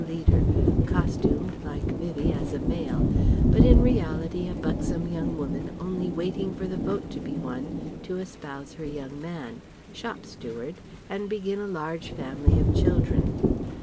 U. leader, costumed like Vivie as a male, but in reality a buxom young woman only waiting for the Vote to be won to espouse her young man shop steward and begin a large family of children.